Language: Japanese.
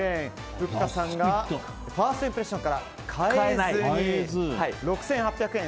ふっかさんがファーストインプレッションから変えずに６８００円。